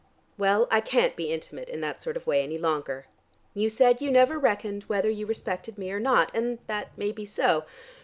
Well, I can't be intimate in that sort of way any longer. You said you never reckoned whether you respected me or not, and that may be so.